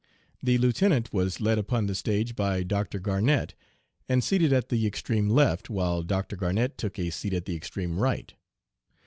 "The Lieutenant was led upon the stage by Mr. Garnett and seated at the extreme left, while Dr. Garnett took a seat at the extreme right.